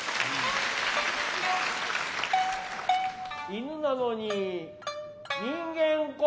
犬なのに人間国宝。